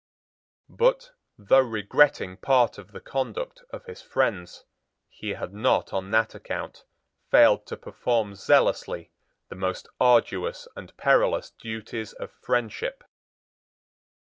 But, though regretting part of the conduct of his friends, he had not, on that account, failed to perform zealously the most arduous and perilous duties of friendship.